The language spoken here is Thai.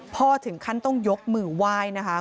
พ่อถึงขั้นต้องยกมือวายนะคะ